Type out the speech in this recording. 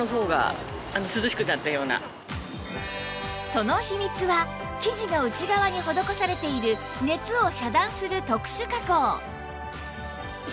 その秘密は生地の内側に施されている熱を遮断する特殊加工